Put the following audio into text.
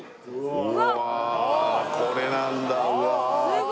うわーこれなんだうわー